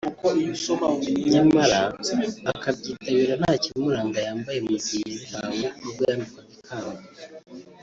nyamara akabyitabira nta kimuranga yambaye mu gihe yabihawe ubwo yambikwaga ikamba